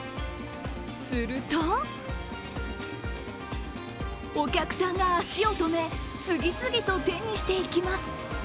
するとお客さんが足を止め、次々と手にしていきます。